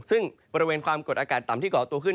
ซึ่งบริเวณความกดอากาศต่ำที่ก่อตัวขึ้น